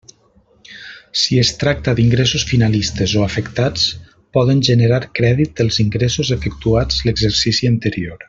Si es tracta d'ingressos finalistes o afectats, poden generar crèdit els ingressos efectuats l'exercici anterior.